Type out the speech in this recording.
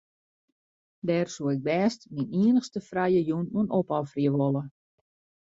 Dêr soe ik bêst myn iennichste frije jûn oan opofferje wolle.